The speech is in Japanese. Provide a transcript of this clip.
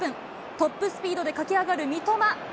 トップスピードで駆け上がる三笘。